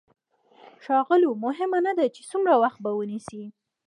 ښاغلو مهمه نه ده چې څومره وخت به ونيسي.